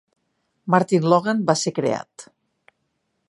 MartinLogan va ser creat.